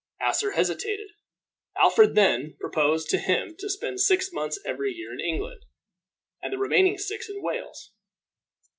Asser hesitated. Alfred then proposed to him to spend six months every year in England, and the remaining six in Wales.